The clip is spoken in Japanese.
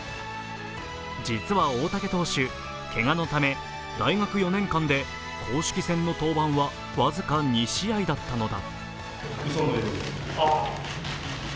実は大竹投手、けがのため大学４年間で公式戦の登板は僅か２試合だったのだ。